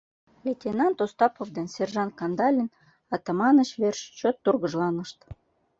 Лейтенант Остапов ден сержант Кандалин Атаманыч верч чот тургыжланышт.